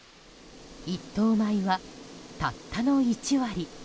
１等米は、たったの１割。